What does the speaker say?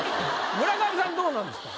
村上さんどうなんですか？